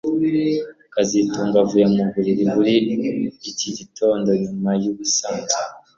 kazitunga yavuye mu buriri muri iki gitondo nyuma yubusanzwe